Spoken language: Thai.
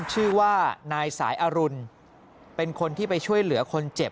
ชื่อว่านายสายอรุณเป็นคนที่ไปช่วยเหลือคนเจ็บ